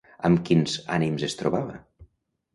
Amb quins ànims es trobava?